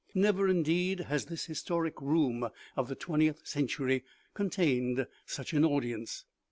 Never, indeed, has this historic room of the twentieth century contained such an audience.